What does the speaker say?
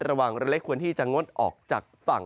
ระวังเล็กควรที่จะงดออกจากฝั่ง